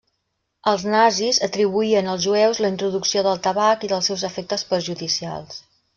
Els nazis atribuïen als jueus la introducció del tabac i dels seus efectes perjudicials.